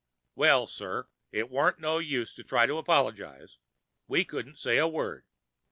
Well, sir, it warn't no use to try to apologize—we couldn't say a word.